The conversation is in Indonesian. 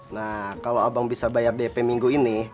nah kalau abang bisa bayar dp minggu ini